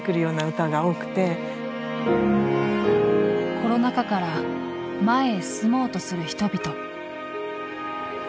コロナ禍から前へ進もうとする人々。